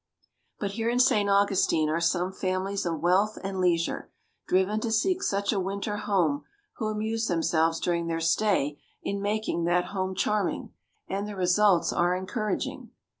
But here in St. Augustine are some families of wealth and leisure, driven to seek such a winter home, who amuse themselves during their stay in making that home charming; and the results are encouraging.